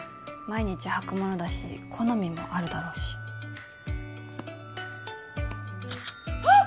毎日履くものだし好みもあるだろうしあっ！